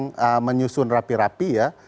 yang menyusun rapi rapi ya